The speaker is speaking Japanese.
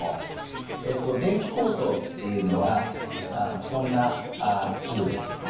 電気喉頭っていうのはこんな器具です。